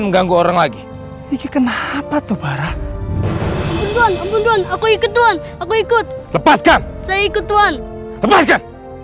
mengganggu orang lagi ini kenapa tuh para aku ikut ikut lepaskan saya ikut tuhan lepaskan